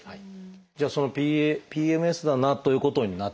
じゃあそのＰＭＳだなということになった。